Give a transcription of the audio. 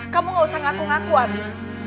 kamu gak usah ngaku ngaku abi